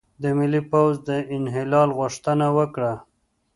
د ملي پوځ د انحلال غوښتنه وکړه،